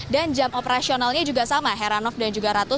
dan jam operasionalnya juga sama heranov dan juga ratu